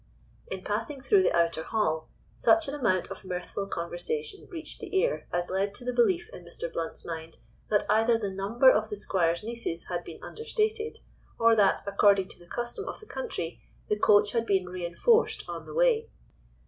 In passing through the outer hall, such an amount of mirthful conversation reached the ear, as led to the belief in Mr. Blount's mind, that either the number of the Squire's nieces had been under stated, or that, according to the custom of the country, the coach had been reinforced on the way.